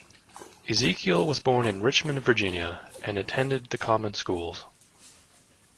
Ezekiel was born in Richmond, Virginia, and attended the common schools.